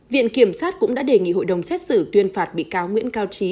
viện kiểm sát cũng đã đề nghị hội đồng xét xử tuyên phạt bị cáo nguyễn cao trí